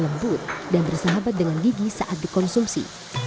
sate ini justru lembut dan bersahabat dengan gigi saat dikonsumsi